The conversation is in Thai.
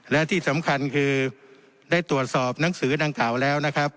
และที่สำคัญคือได้ตรวจสอบหนังสือดังกล่าวแล้วนะครับ